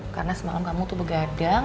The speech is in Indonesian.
karena semalam kamu tuh begadang